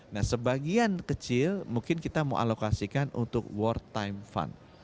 nah sebagian kecil mungkin kita mau alokasikan untuk war time fund